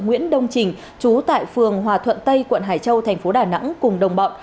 nguyễn đông trình trú tại phường hòa thuận tây quận hải châu thành phố đà nẵng cùng đồng bọn